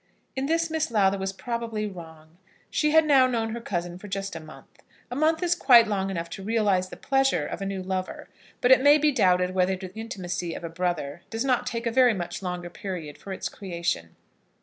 In this Miss Lowther was probably wrong. She had now known her cousin for just a month. A month is quite long enough to realise the pleasure of a new lover, but it may be doubted whether the intimacy of a brother does not take a very much longer period for its creation.